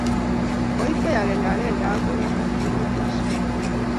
koikwei agenge agenge akowa gaa ya kobunu sukul.